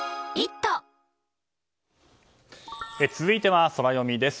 続いては、ソラよみです。